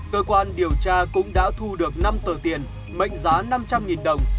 cơ quan điều tra cũng đã thu được năm tờ tiền mệnh giá năm trăm linh đồng